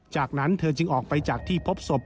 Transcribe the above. จากนั้นเธอจึงออกไปจากที่พบศพ